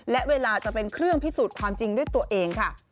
และเวลาจะเป็นเครื่องพิสูจน์ความจริงด้วยตัวเองค่ะ